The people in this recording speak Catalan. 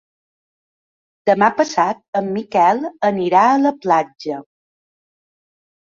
Demà passat en Miquel anirà a la platja.